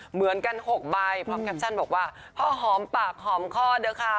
เหมือนกัน๖ใบพร้อมแคปชั่นบอกว่าพ่อหอมปากหอมคอเถอะค่ะ